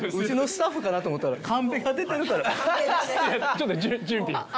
ちょっと準備。